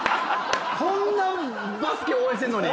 こんなバスケ応援してんのに？